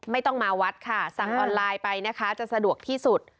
ไม่ต้องมาวัดค่ะสั่งออนไลน์ไปนะคะจะสะดวกที่สุด